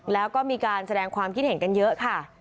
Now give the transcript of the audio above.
แล้วก็มีการแสดงความคิดเห็นกันเยอะค่ะ